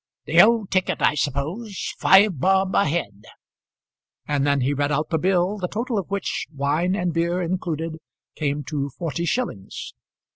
"The old ticket I suppose; five bob a head." And then he read out the bill, the total of which, wine and beer included, came to forty shillings.